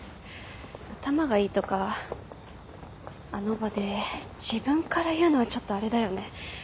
「頭がいい」とかあの場で自分から言うのちょっとあれだよね。